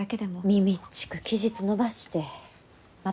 みみっちく期日延ばしてまた借りて？